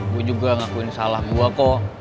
gue juga ngakuin salah gue kok